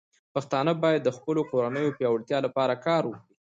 پښتانه بايد د خپلو کورنيو پياوړتیا لپاره کار وکړي.